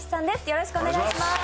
よろしくお願いします。